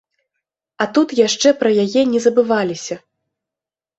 А тут яшчэ пра яе не забываліся.